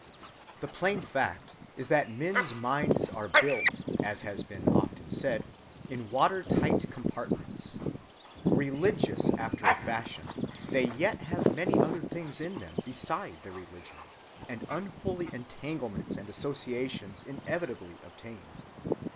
The plain fact is that men's minds are built, as has been often said, in water‐tight compartments. Religious after a fashion, they yet have many other things in them beside their religion, and unholy entanglements and associations inevitably obtain.